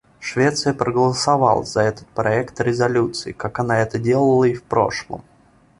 Швеция проголосовала за этот проект резолюции, как она это делала и в прошлом.